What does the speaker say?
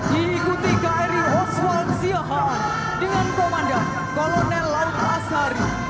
diikuti kri oswal siahaan dengan komandan kolonel laut asari